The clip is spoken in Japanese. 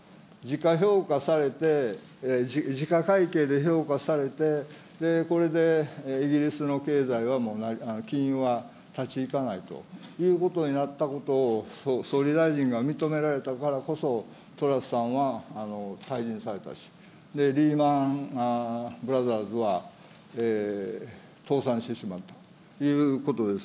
じか評価されて時価会計で評価されて、これでイギリスの経済はもう金融は立ち行かないということになったことを、総理大臣が認められたからこそ、トラスさんは退陣されたし、リーマンブラザーズは、倒産してしまうということです。